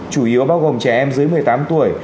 chủ yếu bao gồm trẻ em dưới một mươi tám tuổi